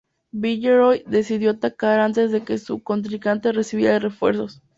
Villeroy decidió atacar antes de que su contrincante recibiera refuerzos.